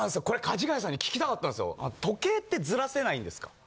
これかじがやさんに聞きたかったんですよ、時計ってずらせないんですか？